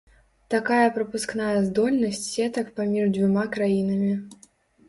Такая прапускная здольнасць сетак паміж дзвюма краінамі.